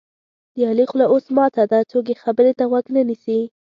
د علي خوله اوس ماته ده څوک یې خبرې ته غوږ نه نیسي.